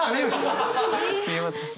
すいません。